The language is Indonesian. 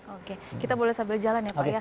oke kita boleh sambil jalan ya pak ya